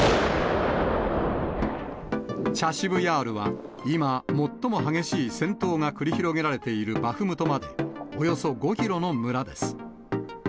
チャシブヤールは、今、最も激しい戦闘が繰り広げられているバフムトまで、およそ５キロ